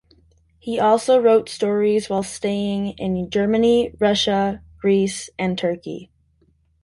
He also wrote stories while staying in Germany, Russia, Greece, and Turkey.